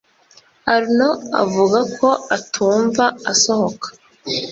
arnaud avuga ko atumva asohoka